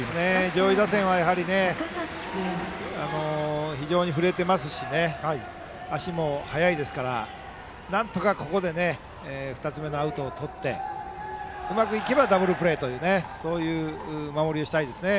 上位打線はやはり非常に振れていますし足も速いですからなんとかここで２つ目のアウトをとってうまくいけばダブルプレーというそういう守りをしたいですね